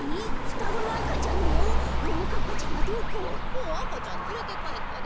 もうあかちゃんつれてかえったで。